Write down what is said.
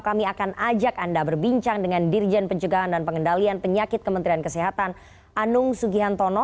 kami akan ajak anda berbincang dengan dirjen pencegahan dan pengendalian penyakit kementerian kesehatan anung sugihantono